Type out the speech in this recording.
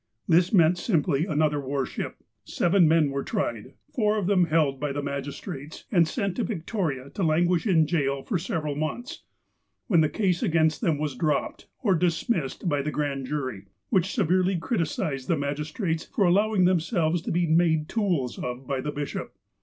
This meant simply another war ship. Seven men were tried, four of them held by the magistrates, and sent to Victoria to languish in jail for several months, when the case against them was dropped, or dismissed by the grand jury, which severely criticised the magistrates for allow ing themselves to be made tools of by the bishop.